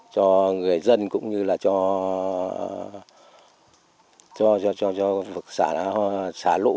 cho người dân cũng như là cho vực xả lũ